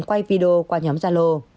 quay video qua nhóm gia lô